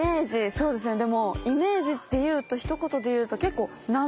そうですねでもイメージってひと言でいうと結構謎？